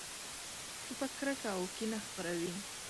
توپک کرکه او کینه خپروي.